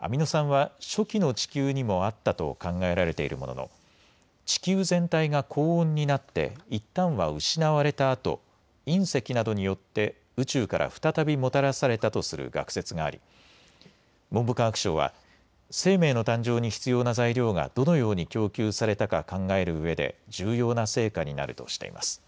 アミノ酸は初期の地球にもあったと考えられているものの地球全体が高温になっていったんは失われたあと隕石などによって宇宙から再びもたらされたとする学説があり文部科学省は生命の誕生に必要な材料がどのように供給されたか考えるうえで重要な成果になるとしています。